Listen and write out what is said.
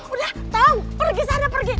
udah tau pergi sana pergi